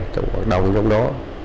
cho hoạt động trong đó